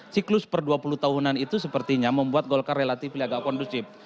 siklus per dua puluh tahunan itu sepertinya membuat golkar relatif agak kondusif